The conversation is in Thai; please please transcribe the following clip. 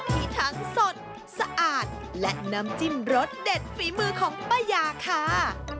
ที่ทั้งสดสะอาดและน้ำจิ้มรสเด็ดฝีมือของป้ายาค่ะ